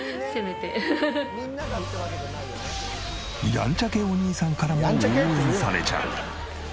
ヤンチャ系お兄さんからも応援されちゃう。